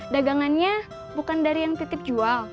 dagangannya bukan dari yang titip jual